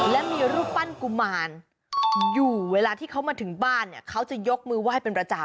และมีรูปปั้นกุมารอยู่เวลาที่เขามาถึงบ้านเนี่ยเขาจะยกมือไหว้เป็นประจำ